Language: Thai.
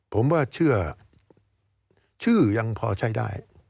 ผมว่าเชื่อชื่อยังพอใช้ได้